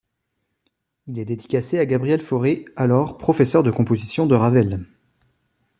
Il est dédicacé à Gabriel Fauré, alors professeur de composition de Ravel.